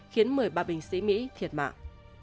khiến một mươi ba bình sĩ mỹ thiệt hại